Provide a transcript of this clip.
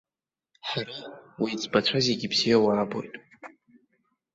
Ҳара, уеиҵбацәа зегьы бзиа уаабоит.